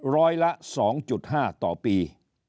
ร้อยละ๒๕ต่อปี